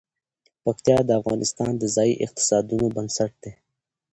پکتیا د افغانستان د ځایي اقتصادونو بنسټ دی.